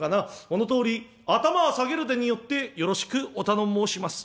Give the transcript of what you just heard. このとおり頭ぁ下げるでによってよろしくお頼申します」。